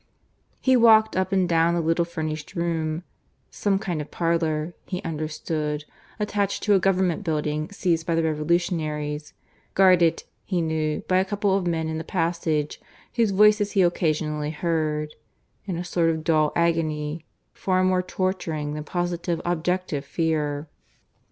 He walked up and down the little furnished room some kind of parlour, he understood, attached to a government building seized by the revolutionaries, guarded, he knew, by a couple of men in the passage, whose voices he occasionally heard in a sort of dull agony, far more torturing than positive objective fear.